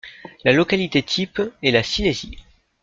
La localité type est la Silésie.